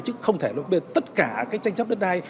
chứ không thể là tất cả cái tranh chấp đất tai